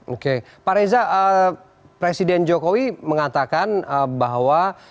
oke pak reza presiden jokowi mengatakan bahwa